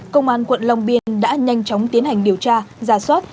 công an quận long biên đã nhanh chóng tiến hành điều tra giả soát